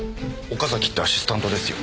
岡崎ってアシスタントですよ。